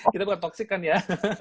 kita bukan toxic kan ya